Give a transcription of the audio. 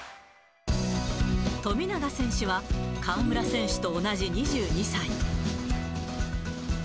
富永選手は、河村選手と同じ２２歳。